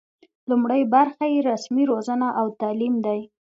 لومړۍ برخه یې رسمي روزنه او تعلیم دی.